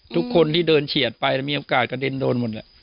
ทุกคนที่เดินเฉียดไปมีโอกาสกระเด็นโดนหมดแหละ